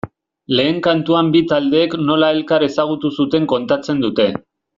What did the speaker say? Lehen kantuan bi taldeek nola elkar ezagutu zuten kontatzen dute.